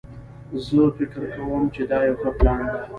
زه فکر کوم چې دا یو ښه پلان ده